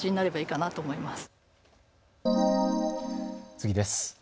次です。